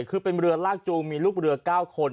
คือเป็นเรือลากจูงมีลูกเรือ๙คน